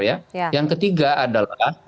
yang ketiga adalah